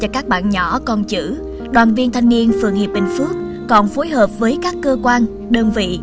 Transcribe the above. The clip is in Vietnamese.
cho các bạn nhỏ con chữ đoàn viên thanh niên phường hiệp bình phước còn phối hợp với các cơ quan đơn vị